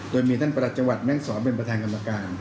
โดยมีท่านประหลัจจังหวัดแม่งศรเป็นประธานกรรมการ